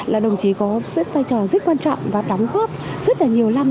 là đồng chí có vai trò rất quan trọng và đóng góp rất là nhiều năm